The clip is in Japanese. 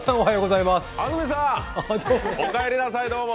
安住さん、お帰りなさい、どうも。